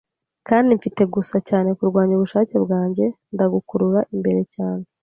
kandi mfite gusa, cyane kurwanya ubushake bwanjye, ndagukurura imbere cyane